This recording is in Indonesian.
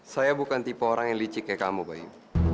saya bukan tipe orang yang licik kayak kamu bayu